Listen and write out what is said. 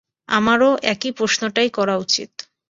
আমারো একই প্রশ্নটাই করা উচিত।